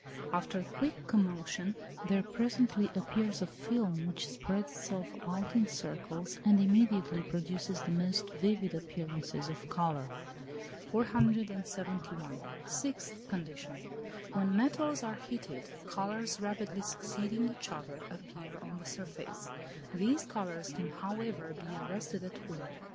After quick commotion there presently appears a film which spreads itself out in circles, and immediately produces the most vivid appearances of colour. 471. Sixth condition. When metals are heated, colours rapidly succeeding each other appear on the surface: these colours can, however, be arrested at will.